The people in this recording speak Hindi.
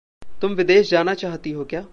तुम विदेश जाना चाहती हो क्या?